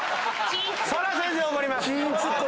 そら先生怒ります。